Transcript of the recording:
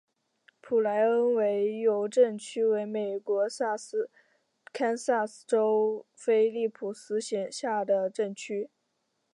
普莱恩维尤镇区为美国堪萨斯州菲利普斯县辖下的镇区。